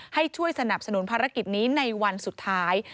ให้ช่วยสนับสนุนภารกิจนี้ในวันสุดท้าย